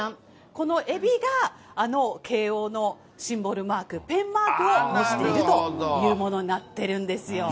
このエビが、あの慶応のシンボルマーク、ペンマークを模しているというものになっているんですよ。